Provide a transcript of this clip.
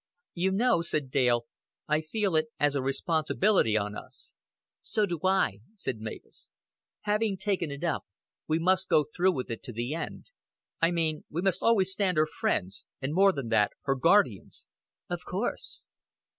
"You know," said Dale, "I feel it as a responsibility on us." "So do I," said Mavis. "Having taken it up, we must go through with it to the end. I mean, we must always stand her friends and more than that, her guardians." "Of course."